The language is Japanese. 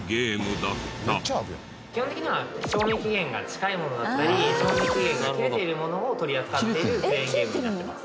基本的には賞味期限が近いものだったり賞味期限が切れているものを取り扱っているクレーンゲームになっています。